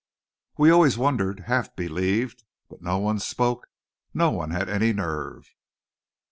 We always wondered half believed. But no one spoke no one had any nerve."